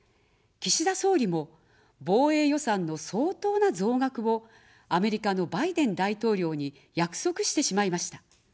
岸田総理も防衛予算の相当な増額をアメリカのバイデン大統領に約束してしまいました。